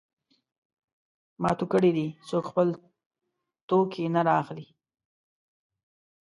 ما تو کړی دی؛ څوک خپل توکی نه رااخلي.